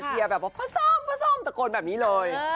เชียร์แบบว่าพระส้มตะโกนแบบนี้เลย